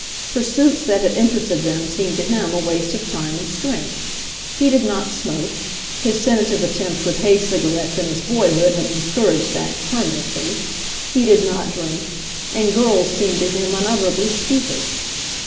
Pursuits that had interested them seemed to him a waste of time and strength. He did not smoke — his tentative attempt with hay cigarettes in his boyhood had discouraged that perma nently — he did not drink, and girls seemed to him unutterably stupid.